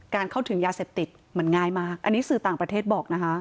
เข้าถึงยาเสพติดมันง่ายมากอันนี้สื่อต่างประเทศบอกนะคะ